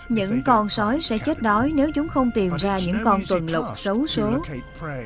những con sói sẽ chết đói nếu chúng không tìm ra những con tuần lục xấu xấu